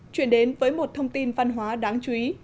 chuyển đến với một thông tin văn hóa đáng chú ý